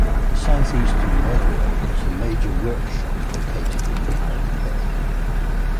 The South Eastern Railway has a major workshop located in Kharagpur.